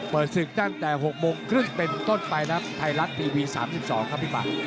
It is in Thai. เปิดศึกตั้งแต่๖โมงครึ่งเป็นต้นไปครับไทยรัฐทีวี๓๒ครับพี่บัตร